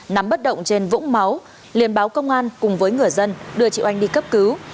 nắm bắt động trên vũng máu liên báo công an cùng với người dân đưa chị oanh đi cấp cứu